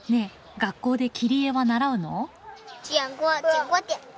学校で切り絵は習うの？